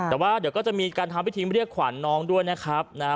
แต่ว่าเดี๋ยวก็จะมีการทำพิธีเรียกขวัญน้องด้วยนะครับนะฮะ